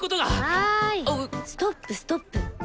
はいストップストップ！